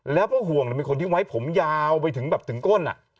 แล้วป้าห่วงเนี่ยมีคนที่ไว้ผมยาวไปถึงแบบถึงก้นอ่ะ